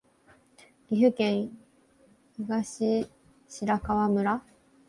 岐阜県東白川村